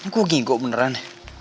gue ngigo beneran